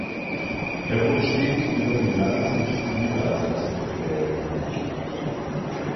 Er wurde stets über die Landesliste Niedersachsen gewählt.